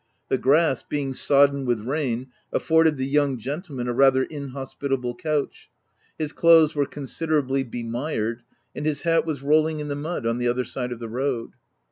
The grass, being OF W1LDFELL HALL. 241 sodden with rain, afforded the young gentleman a rather inhospitable couch ; his clothes were considerably bemired ; and his hat was roll ing in the mud, on the other side of the road.